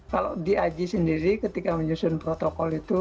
kalau di aji sendiri ketika menyusun protokol itu